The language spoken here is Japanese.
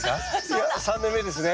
いや３年目ですね。